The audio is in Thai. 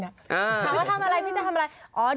ถามว่าทำอะไรพี่จะทำอะไร